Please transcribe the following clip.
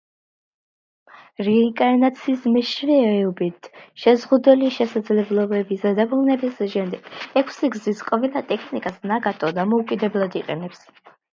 რეინკარნაციის მეშვეობით შეზღუდული შესაძლებლობების დაბრუნების შემდეგ, ექვსი გზის ყველა ტექნიკას ნაგატო დამოუკიდებლად იყენებს.